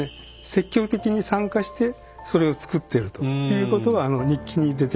積極的に参加してそれをつくっているということが日記に出てきます。